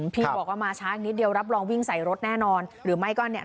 พี่บอกว่ามาช้าอีกนิดเดียวรับรองวิ่งใส่รถแน่นอนหรือไม่ก็เนี่ย